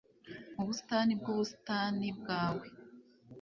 mu busitani bwubusitani bwawe